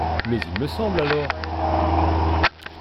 Mais il me semble alors!